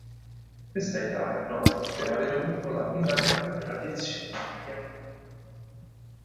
Questa età è nota per aver avuto la prima grande radiazione di animali.